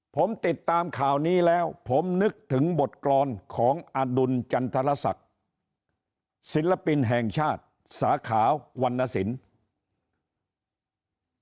ผมติดตามข่าวนี้แล้วผมนึกถึงบทกรรมของอดุลจันทรศักดิ์ศิลปินแห่งชาติสาขาวรรณสิน